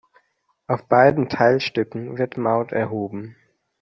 Auf beiden Teilstücken wird Maut erhoben.